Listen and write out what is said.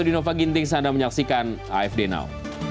dinova ginting saya anda menyaksikan afd now